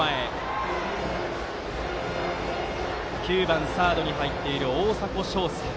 ９番サードに入っている大迫翔輔。